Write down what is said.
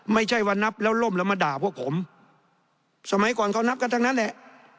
ไม่ใช่ว่านับแล้วล่มแล้วมาด่าพวกผมสมัยก่อนเขานับกันทั้งนั้นแหละ